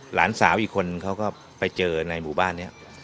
หลานสาวอีกคนเขาก็ไปเจอในหมู่บ้านนี้